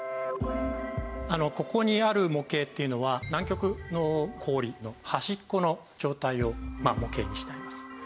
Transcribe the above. ここにある模型っていうのは南極の氷の端っこの状態を模型にしてあります。